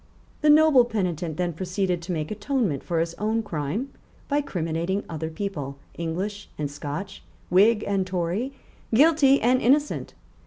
The noble penitent then proceeded to make atonement for his own crime by criminating other people, English and Scotch, Whig and Tory, guilty and innocent.